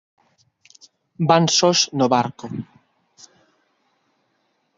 Van sós no barco.